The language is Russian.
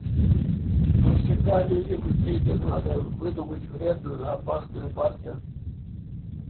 Но всегда людям интриги надо выдумать вредную, опасную партию.